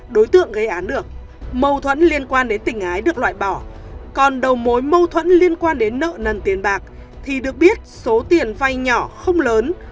đối tượng gây án được mâu thuẫn liên quan đến tình ái được loại bỏ còn đầu mối mâu thuẫn liên quan đến nợ nần tiền bạc thì được biết số tiền vay nhỏ không lớn